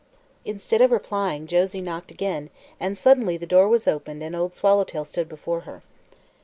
Instead of replying, Josie knocked again, and suddenly the door was opened and Old Swallowtail stood before her.